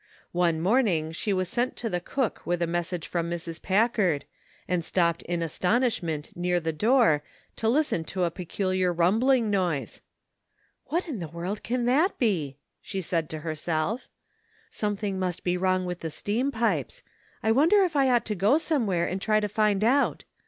One morning she was sent to the cook with a message from Mrs. Packard, and stopped in astonishment near the door to listen to a pecu liar rumbling noise. "What in the world can MACHINES AND NEWS. 261 that be?" she said to herself. "Something must be wrong with the steam pipes. I won der if I ought to go somewhere and try to find out?